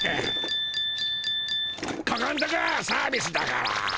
ここんとこはサービスだから。